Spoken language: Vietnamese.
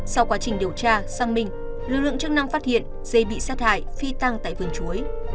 sau quá trình điều tra xăng minh lực lượng chức năng phát hiện dây bị sát hại phi tăng tại vườn chuối